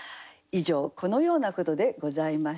以上このようなことでございました。